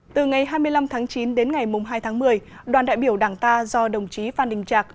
từ ngày hai mươi năm tháng chín đến ngày hai tháng một mươi đoàn đại biểu đảng ta do đồng chí phan đình trạc